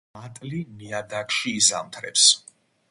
მატლი ნიადაგში იზამთრებს.